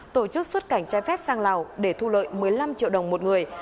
tổ chức xuất cảnh trái phép sang lào để thu lợi một mươi năm triệu đồng một người